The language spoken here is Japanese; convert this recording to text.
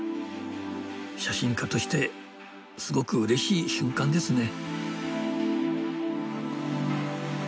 写真家としてすごくうれしい瞬間ですね。